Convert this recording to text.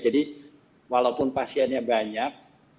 jadi walaupun pasiennya banyak